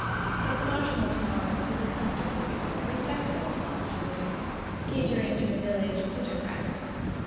But the Marshmoreton Arms is a comfortable, respectable hostelry, catering for the village plutocrats.